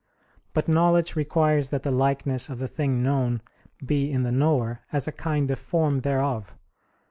But knowledge requires that the likeness of the thing known be in the knower, as a kind of form thereof.